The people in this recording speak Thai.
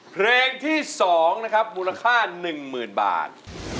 เพลงที่๒นะครับมูลค่า๑๐๐๐บาท